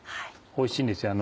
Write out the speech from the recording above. おいしいんですよ